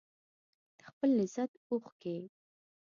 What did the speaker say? د خپل لذت اوښکې